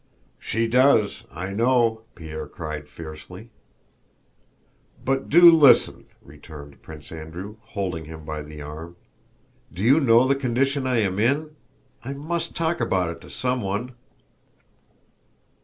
"She does, I know," Pierre cried fiercely. "But do listen," returned Prince Andrew, holding him by the arm. "Do you know the condition I am in? I must talk about it to someone."